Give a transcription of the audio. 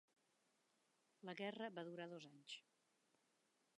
La guerra va durar dos anys.